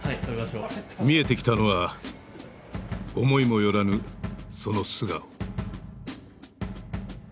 見えてきたのは思いも寄らぬその素顔。